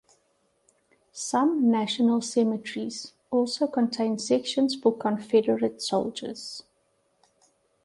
Some national cemeteries also contain sections for Confederate soldiers.